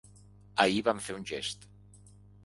Ahir vam fer un gest.